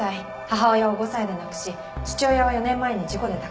母親を５歳で亡くし父親は４年前に事故で他界。